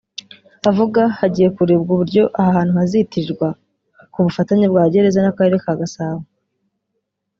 Avuga hagiye kurebwa uburyo aha hantu hazitirwa ku bufatanye bwa Gereza n’Akarere ka Gasabo